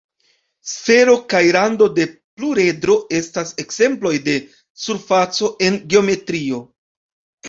Sfero kaj rando de pluredro estas ekzemploj de surfacoj en geometrio.